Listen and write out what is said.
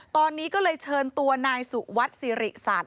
ตอนนี้ก็เลยเชิญตัวนายสุวัตรศิริษฐศาสตร์